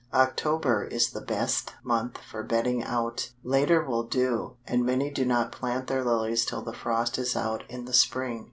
October is the best month for bedding out, later will do, and many do not plant their Lilies till the frost is out in the spring.